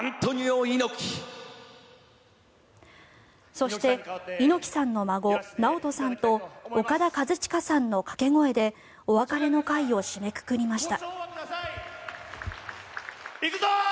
そして、猪木さんの孫ナオトさんとオカダ・カズチカさんの掛け声でお別れの会を締めくくりました。